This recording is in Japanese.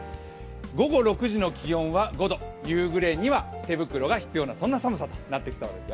午後６時の気温は５度、夕暮れには手袋が必要な寒さとなっていきそうですよ。